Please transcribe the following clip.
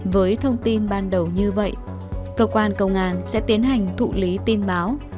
với thông tin ban đầu như vậy cơ quan công an sẽ tiến hành thụ lý tin báo